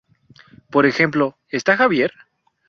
Por ejemplo: "¿Está Javier?